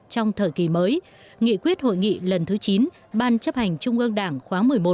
trong thời kỳ mới nghị quyết hội nghị lần thứ chín ban chấp hành trung ương đảng khóa một mươi một